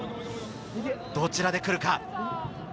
どちらで来るか？